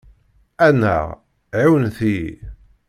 Annaɣ! ɛiwnet-iyi!